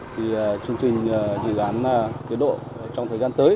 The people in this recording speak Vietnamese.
thì chương trình dự án tiến độ trong thời gian tới